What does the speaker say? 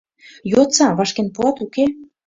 Йодса: вашкен пуат, уке?